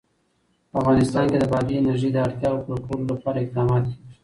په افغانستان کې د بادي انرژي د اړتیاوو پوره کولو لپاره اقدامات کېږي.